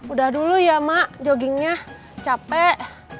udah dulu ya mak joggingnya capek